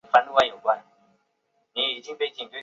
分页是虚拟记忆体技术中的重要部份。